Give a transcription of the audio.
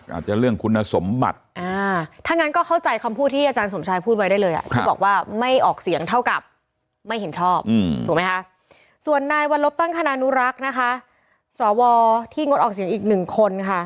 อาจจะเรื่องคุณสมบัติถ้างั้นก็เข้าใจคำพูดที่อาจารย์สมชายพูดไว้ด้วยเลยค่ะเขาบอกว่าไม่ออกเสียงเท่ากับไม่เห็นชอบถูกมั้ยคะ